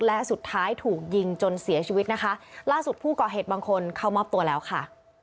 และสุดท้ายถูกยิงจนเสียชีวิตนะคะล่าสุดผู้ก่อเหตุบางคนเข้ามอบตัวแล้วค่ะ